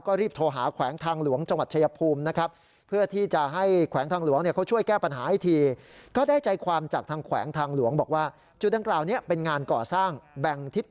ก็รีบโทรหาแขวงทางหลวงจังหวัดชายภูมินะครับ